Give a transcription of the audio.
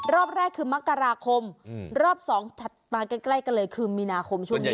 รอบแรกคือมะกราคมรอบสองมาใกล้ก็เลยคือมีนาคมช่วงนี้แหละ